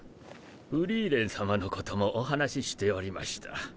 フリーレン様のこともお話ししておりました。